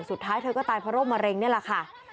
สุดท้ายเธอก็ตายเพราะโรคมะเร็งนี่แหละค่ะ